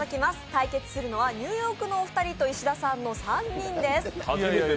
対決するのはニューヨークのお二人と石田さんの３人です。